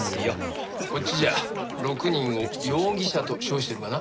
こっちじゃ６人を容疑者と称してるがな。